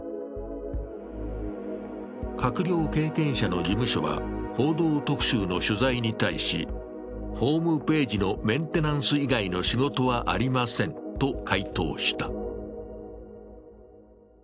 閣僚経験者の事務所は「報道特集」の取材に対し、ホームページのメンテナンス以外の仕事はありませんと回答した。